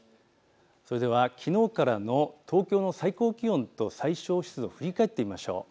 それでは、きのうからの東京の最高気温と最小湿度、振り返ってみましょう。